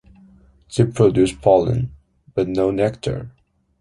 They produce pollen, but no nectar.